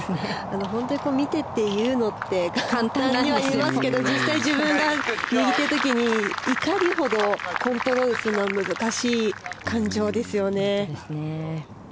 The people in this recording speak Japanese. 本当に見ていて言うのって簡単に言いますけど実際、自分が握っている時に怒りほど、コントロールするのは難しい感情ですよね。